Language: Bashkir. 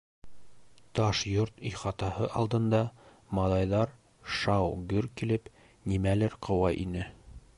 Таш йорт ихатаһы алдында малайҙар шау-гөр килеп, нимәлер ҡыуа ине.